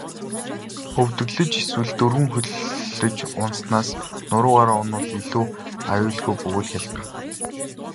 Өвдөглөж эсвэл дөрвөн хөллөж унаснаас нуруугаараа унавал илүү аюулгүй бөгөөд хялбар.